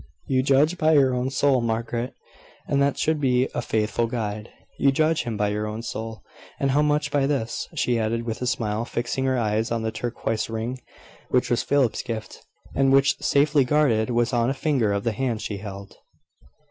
"You judge by your own soul, Margaret; and that should be a faithful guide. You judge him by your own soul, and how much by this?" she added, with a smile, fixing her eyes on the turquoise ring, which was Philip's gift, and which, safely guarded, was on a finger of the hand she held.